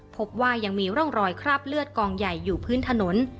พบว่ายังมีร่องรอยคราบเลือดกองใหญ่อยู่พื้นถนน